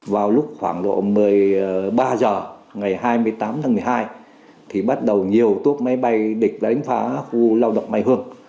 ba giờ ngày hai mươi tám tháng một mươi hai thì bắt đầu nhiều tuốc máy bay địch đánh phá khu lao động mây hương